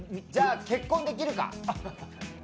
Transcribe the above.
結婚できるか？